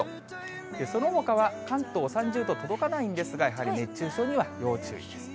そのほかは関東、３０度届かないんですが、やはり熱中症には要注意です。